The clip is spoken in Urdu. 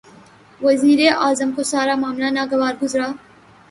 وزیر اعظم کو سارا معاملہ ناگوار گزرا۔